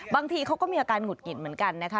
บางทีเขาก็มีอาการหงุดหงิดเหมือนกันนะคะ